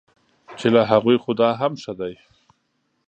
چې له هغوی خو دا هم ښه دی.